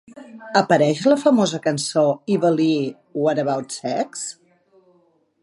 Apareix a la famosa cançó Evil E-What About Sex?